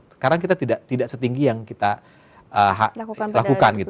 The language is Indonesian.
sekarang kita tidak setinggi yang kita lakukan gitu